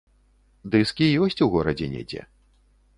Дыскі ёсць у горадзе недзе.